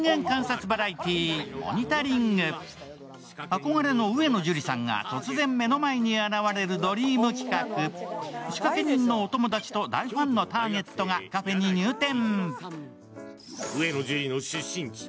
憧れの上野樹里さんが突然、目の前に現れるドリーム企画仕掛け人のお友達と大ファンのターゲットがカフェに入店。